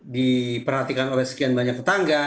diperhatikan oleh sekian banyak tetangga